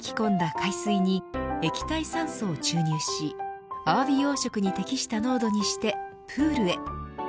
海水に液体酸素を注入しアワビ養殖に適した濃度にしてプールへ。